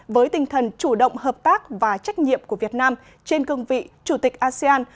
với tinh thần chủ động hợp tác và trách nhiệm của việt nam trên cương vị chủ tịch asean